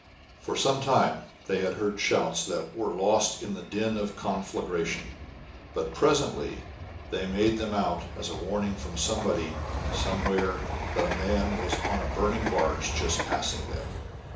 For some time they had heard shouts that were lost in the din of conflagration; but presently they made them out as a warning from somebody somewhere that a man was on a burning barge just passing them.